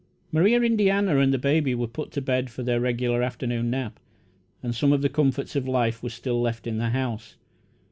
Maria Indiana and the baby were put to bed for their regular afternoon nap, and some of the comforts of life were still left in the house.